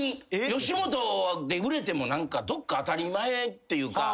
吉本で売れても何かどっか当たり前っていうか。